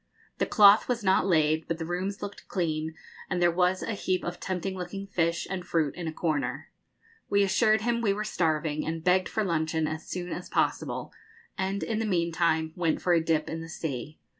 The cloth was not laid, but the rooms looked clean, and there was a heap of tempting looking fish and fruit in a corner. We assured him we were starving, and begged for luncheon as soon as possible; and, in the meantime, went for a dip in the sea.